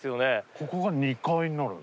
ここが２階になるんすか？